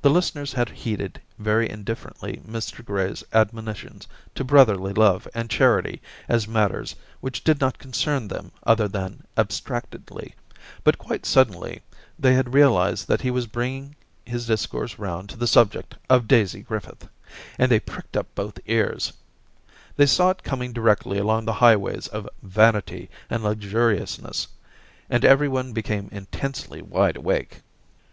The listeners had heeded very indifferently Mr Gray's admoni tions to brotherly love and charity as matters which did not concern them other than ab stractedly; but quite suddenly they had realised that he was bringing his discourse round to the subject of Daisy Griffith, and they pricked up both ears, They saw it coming directly along the highways of Vanity and Luxuriousness ; and everyone became intensely wide awake.